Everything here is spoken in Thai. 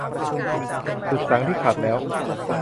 ดุจสังข์ที่ขัดแล้ว